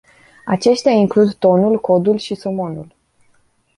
Aceștia includ tonul, codul și somonul.